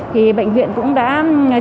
thì bệnh viện cũng đã triển khai